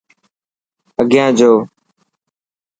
اگيان جو.